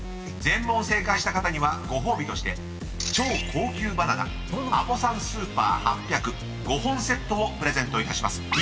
全問正解した方にはご褒美として超高級バナナアポ山スーパー８００５本セットをプレゼントいたします］